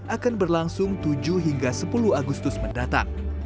akan berlangsung tujuh hingga sepuluh agustus mendatang